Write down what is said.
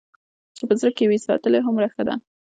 چې په زړه کې وي ساتلې هومره ښه ده.